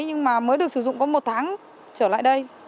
nhưng mà mới được sử dụng có một tháng trở lại đây